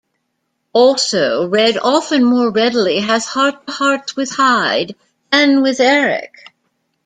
Also, Red often more readily has heart-to-hearts with Hyde than with Eric.